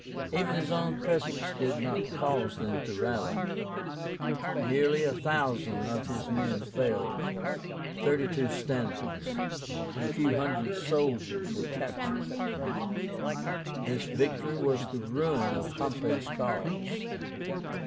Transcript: Even his own presence did not cause them to rally. Nearly one thousand of his men fell, thirty two standards, and a few hundred soldiers were captured. This victory was the ruin of Pompey's cause.